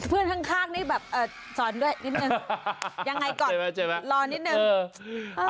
เพื่อนข้างนี่แบบสอนด้วยนิดนึงยังไงก่อนรอนิดนึง